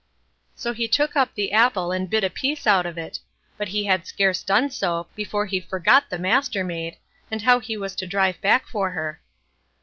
So he took up the apple and bit a piece out of it; but he had scarce done so, before he forgot the Mastermaid, and how he was to drive back for her.